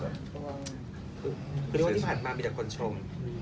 เพราะว่าที่ผ่านมามีแต่คนชม